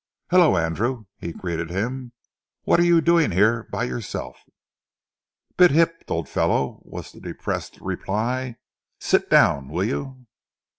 "Hullo, Andrew," he greeted him, "what are you doing here by yourself?" "Bit hipped, old fellow," was the depressed reply. "Sit down, will you?"